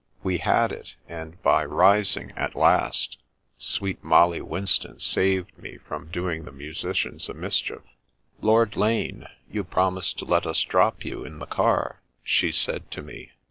We had it, and by ris ing at last, sweet Molly Winston saved me from do ing the musicians a mischief. " Lord Lane, you promised to let us drop you, in the car," she said to me.